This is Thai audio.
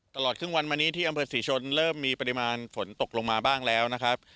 ตลอดครึ่งวันมานี้ที่อำเภอศรีชนเริ่มมีปริมาณฝนตกลงมาบ้างแล้วนะครับ